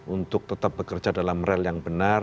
untuk tetap bekerja dalam rel yang benar